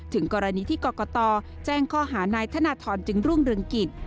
ถึงกรณีที่กรกตแจ้งข้อหานายธนทรจึงรุ่งเรืองกิจ